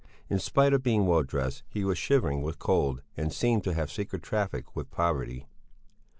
In spite of being well dressed, he was shivering with cold and seemed to have secret traffic with poverty.